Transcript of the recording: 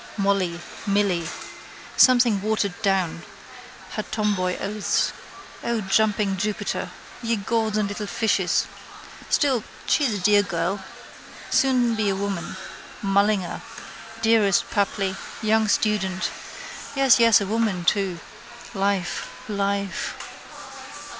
Molly. Milly. Same thing watered down. Her tomboy oaths. O jumping Jupiter! Ye gods and little fishes! Still, she's a dear girl. Soon be a woman. Mullingar. Dearest Papli. Young student. Yes, yes: a woman too. Life, life.